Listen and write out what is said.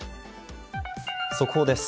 速報です。